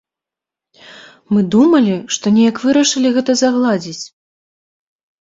Мы думалі, што неяк вырашылі гэта загладзіць.